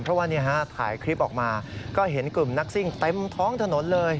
เพราะว่าถ่ายคลิปออกมาก็เห็นกลุ่มนักซิ่งเต็มท้องถนนเลย